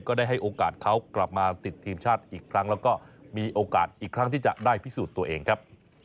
ได้ให้โอกาสเขากลับมาติดทีมชาติอีกครั้งแล้วก็มีโอกาสอีกครั้งที่จะได้พิสูจน์ตัวเองครับ